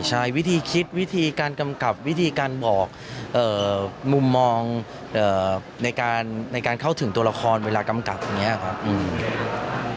ใช่วิธีคิดวิธีการกำกับวิธีการบอกมุมมองในการเข้าถึงตัวละครเวลากำกับอย่างนี้ครับ